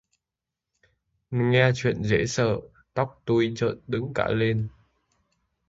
Nghe chuyện dễ sợ, tóc tui trợn đứng cả lên!